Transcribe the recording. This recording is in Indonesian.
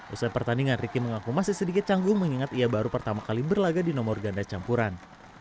usai pertandingan ricky mengaku masih sedikit canggung mengingat ia baru pertama kali berlaga di nomor ganda campuran